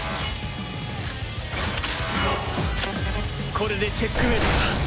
これでチェックメイトだ。